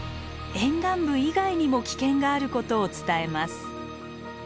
沿岸部以外にも危険があることを伝えます。